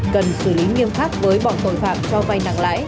cần xử lý nghiêm khắc với bọn tội phạm cho vay nặng lãi